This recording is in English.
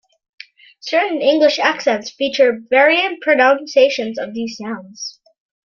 Certain English accents feature variant pronunciations of these sounds.